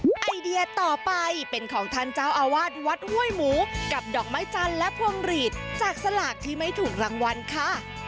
ไอเดียต่อไปเป็นของท่านเจ้าอาวาสวัดห้วยหมูกับดอกไม้จันทร์และพวงหลีดจากสลากที่ไม่ถูกรางวัลค่ะ